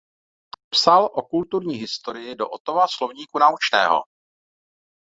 Psal o „Kulturní historii“ do Ottova slovníku naučného.